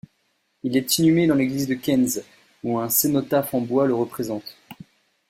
Il est inhumé dans l'église de Kenz, où un cénotaphe en bois le représente.